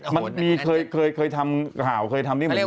มันมีเคยทำข่าวเคยทำเฮียดดลง